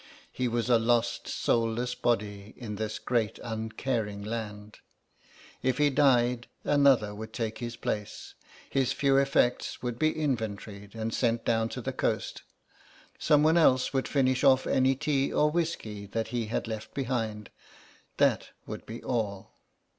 He was a lost, soulless body in this great uncaring land; if he died another would take his place, his few effects would be inventoried and sent down to the coast, someone else would finish off any tea or whisky that he left behind—that would be all.